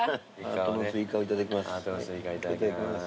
ハートのスイカをいただきます。